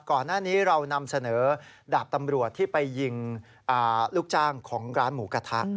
ก่อนหน้านี้เรานำเสนอดาบตำรวจที่ไปยิงลูกจ้างของร้านหมูกระทะ